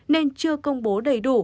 nên chưa công bố đầy đủ